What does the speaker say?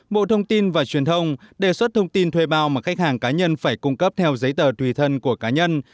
bộ thông tin và truyền thông đề xuất thông tin thuê bao mà khách hàng cá nhân phải cung cấp theo giấy tờ tùy thân của cá nhân